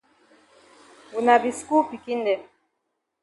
Wuna be skul pikin dem.